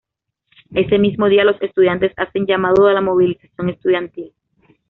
Ese mismo día los estudiantes hacen llamado a la movilización estudiantil.